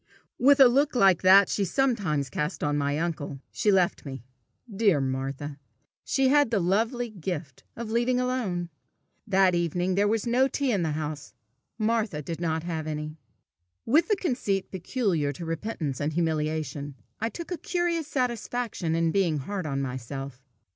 With a look like that she sometimes cast on my uncle, she left me. Dear Martha! she had the lovely gift of leaving alone. That evening there was no tea in the house; Martha did not have any. With the conceit peculiar to repentance and humiliation, I took a curious satisfaction in being hard on myself.